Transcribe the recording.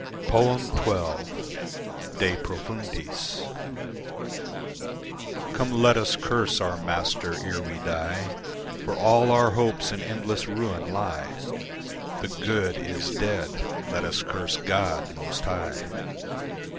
XII. De Profundis Come let us curse our Master ere we die, For all our hopes in endless ruin lie. The good is dead. Let us curse God most High.